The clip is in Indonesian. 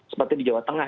seperti di jawa tengah